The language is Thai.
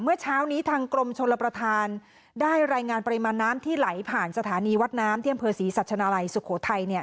เมื่อเช้านี้ทางกรมชลประธานได้รายงานปริมาณน้ำที่ไหลผ่านสถานีวัดน้ำที่อำเภอศรีสัชนาลัยสุโขทัยเนี่ย